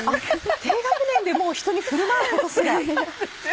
低学年でもうひとに振る舞うことすら。